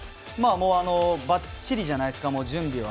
ばっちりじゃないですか準備は。